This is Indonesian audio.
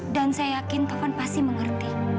dan saya yakin taufan pasti mengerti